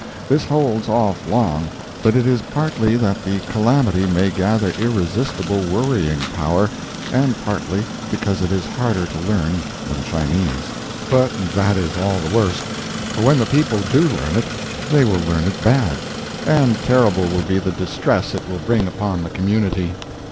This holds off long, but it is partly that the calamity may gather irresistible worrying power, and partly because it is harder to learn than Chinese. But that is all the worse; for when the people do learn it they will learn it bad—and terrible will be the distress it will bring upon the community.